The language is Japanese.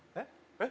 えっ？